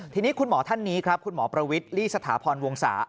ทีนี้คุณหมอท่านนี้ครับคุณหมอประวิทลี่สถาพรวงศา